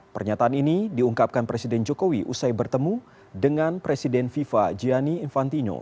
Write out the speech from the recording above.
pernyataan ini diungkapkan presiden jokowi usai bertemu dengan presiden fifa gianni infantino